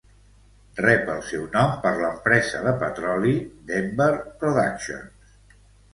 Rep el seu nom per l'empresa de petroli, Denver Productions.